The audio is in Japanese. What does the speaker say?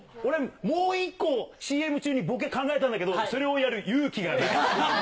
俺、もう一個ＣＭ中にボケ考えたんだけど、それをやる勇気がない。